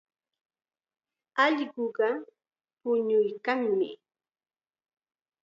Allquqa puñuykanmi.